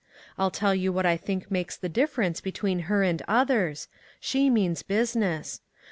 I'll tell you what I think makes the difference between her and others. She means business.